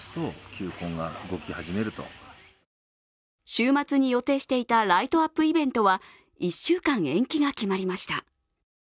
週末に予定していたライトアップイベントは１週間延期が決まりました。